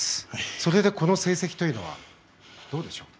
それでこの成績というのはどうでしょうか？